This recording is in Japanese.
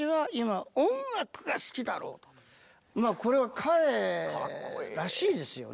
これは彼らしいですよね。